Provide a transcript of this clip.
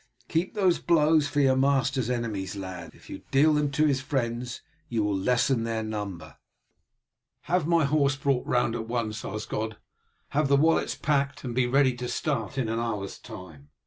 Keep those blows for your master's enemies, lad. If you deal them to his friends you will lessen their number.'" "Have my horse brought round at once, Osgod, have the wallets packed, and be ready to start in an hour's time.